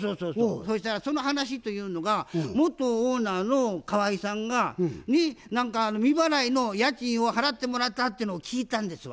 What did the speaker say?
そしたらその話というのが元オーナーの河井さんが未払いの家賃を払ってもらったっていうのを聞いたんですわ。